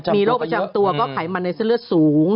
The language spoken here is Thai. มีโรคประจำตัวก็ไขมันในเส้นเลือดสูง